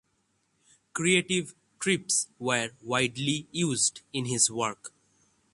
Creative trips were widely used in his work.